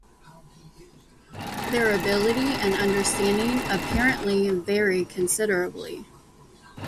Their ability and understanding apparently vary considerably.